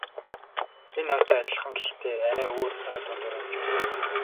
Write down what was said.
Энэ ойтой адилхан гэхдээ арай өөр ой дундуур явж байсан.